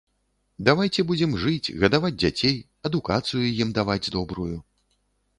Давайце будзем жыць, гадаваць дзяцей, адукацыю ім даваць добрую.